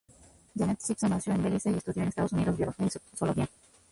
Janet Gibson nació en Belice y estudió en Estados Unidos biología y zoología.